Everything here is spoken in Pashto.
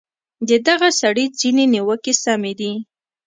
د دغه سړي ځینې نیوکې سمې دي.